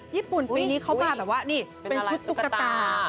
ญี่ปุ่นปีนี้เขามาแบบว่านี่เป็นชุดตุ๊กตา